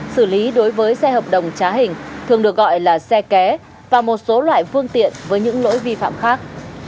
xử lý đối với xe hợp đồng trá hình thường được gọi là xe ké và một số loại phương tiện với những lỗi vi phạm khác